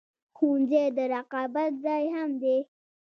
ښوونځی د رقابت ځای هم دی